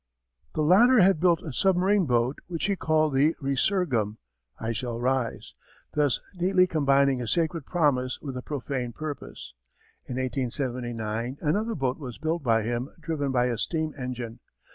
The latter had built a submarine boat which he called the Resurgam (I shall rise) thus neatly combining a sacred promise with a profane purpose. In 1879 another boat was built by him driven by a steam engine.